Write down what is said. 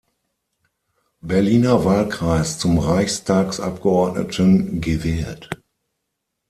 Berliner Wahlkreis zum Reichstagsabgeordneten gewählt.